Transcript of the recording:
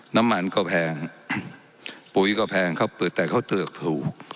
น้ำมันก็แพงปุ๋ยก็แพงเขาเปลือกแต่เขาเตือกถูก